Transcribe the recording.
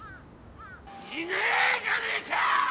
いねえじゃねえか！